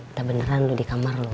udah beneran lu di kamar lu